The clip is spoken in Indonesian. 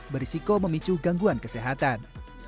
berisiko memicu gangguan kesehatan